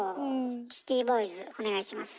シティボーイズお願いします。